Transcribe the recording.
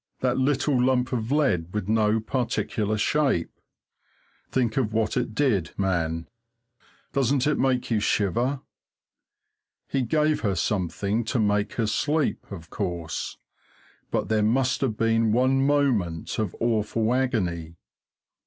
That little lump of lead with no particular shape. Think of what it did, man! Doesn't it make you shiver? He gave her something to make her sleep, of course, but there must have been one moment of awful agony.